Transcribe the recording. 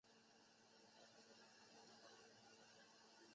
密苏里大学坐落于此。